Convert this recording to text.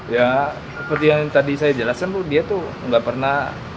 ya seperti yang tadi saya jelasin tuh dia tuh gak pernah